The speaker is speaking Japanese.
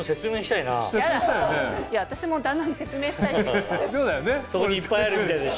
いや私も旦那に説明したいし。